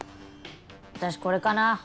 私これかな。